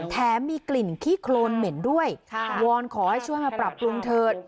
แถมมีกลิ่นขี้โครนเหม็นด้วยวอนขอให้ช่วยมาปรับปรุงเถิด